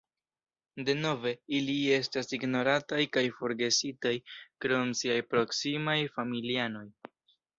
Denove, ili estas ignorataj kaj forgesitaj krom de siaj proksimaj familianoj.